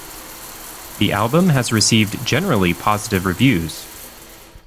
The album has received generally positive reviews.